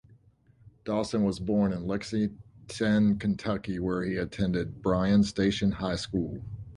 Dawson was born in Lexington, Kentucky where he attended Bryan Station High School.